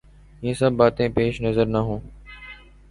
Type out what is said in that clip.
یہ سب باتیں پیش نظر نہ ہوں۔